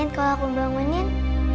sekarang aku bangunin